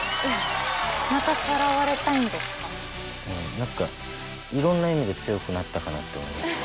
何かいろんな意味で強くなったかなと思いますね。